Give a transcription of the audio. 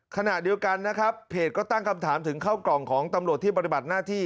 ขณะเดียวกันนะครับเพจก็ตั้งคำถามถึงเข้ากล่องของตำรวจที่ปฏิบัติหน้าที่